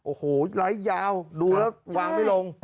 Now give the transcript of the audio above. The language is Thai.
โอ้โหไลค์ยาวดูแล้ววางไม่ลง